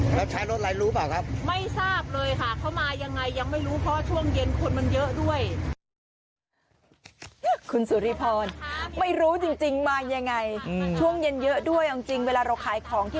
คุณสุริพรไม่รู้จริงจริงมายังไงอืมช่วงเย็นเยอะด้วยจริงจริงเวลาเราขายของที่